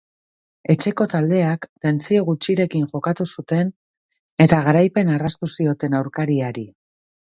Etxeko taldeak tentsio gutxirekin jokatu zuten eta garaipena erraztu zioten aurkariari.